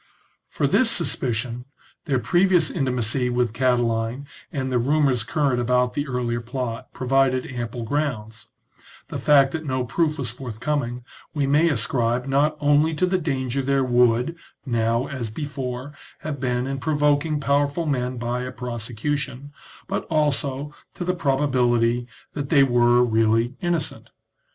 For this suspicion, their previous intimacy with Cati line, and the rumours current about the earlier plot, provided ample grounds ; the fact that no proof was forthcoming we may ascribe not only to the danger there would, now as before, have been in provoking powerful men by a prosecution, but also to the proba bility that they were really innocent.